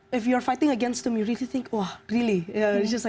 jika kamu berjuang melawan mereka kamu akan berpikir wah benar